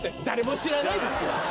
誰も知らないですよ。